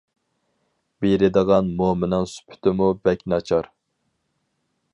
بېرىدىغان مومىنىڭ سۈپىتىمۇ بەك ناچار.